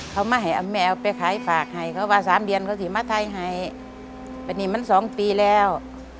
เขามาให้อำแมวไปขายฝากให้เขามาสามเดียนเขาถึงมาไทยให้วันนี้มันสองปีแล้ว